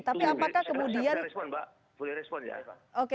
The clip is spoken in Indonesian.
saya tidak bisa respon mbak boleh respon ya pak